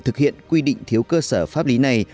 thực hiện quy định thiếu cơ sở pháp lý này